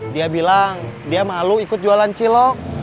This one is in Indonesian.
dia bilang dia malu ikut jualan cilok